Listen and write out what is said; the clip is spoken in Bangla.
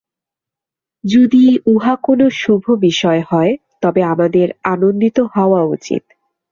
যদি উহা কোন শুভ বিষয় হয়, তবে আমাদের আনন্দিত হওয়া উচিত।